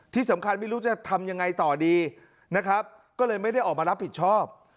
ที่สำคัญไม่รู้จะทำยังไงต่อดีนะครับก็เลยไม่ได้ออกมารับผิดชอบ